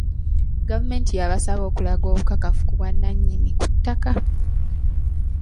Gavumenti yabasaba okulaga obukakafu ku bwannannyini ku ttaka.